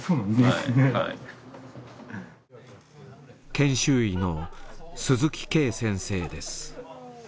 研修医の鈴木圭先生です。